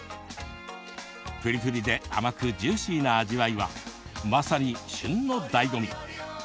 プリプリで甘くジューシーな味わいはまさに旬のだいご味。